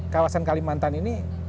kawasan kalimantan ini